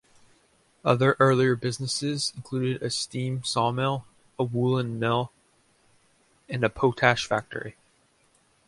Other earlier businesses included a steam sawmill, a woolen mill and a potash factory.